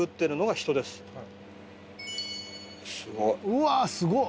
「うわすごっ！」